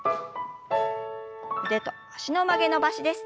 腕と脚の曲げ伸ばしです。